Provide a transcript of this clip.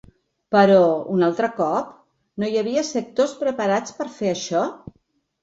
Però, un altre cop, no hi havia sectors preparats per fer això.